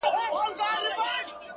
سم وارخطا ـ